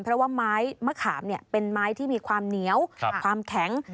เพราะว่าไม้มะขามเป็นไม้ที่มีความเหนียวความแข็ง